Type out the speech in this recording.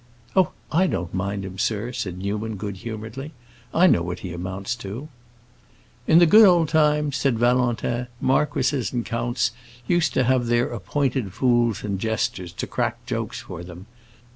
"Oh, I don't mind him, sir," said Newman, good humoredly. "I know what he amounts to." "In the good old times," said Valentin, "marquises and counts used to have their appointed fools and jesters, to crack jokes for them.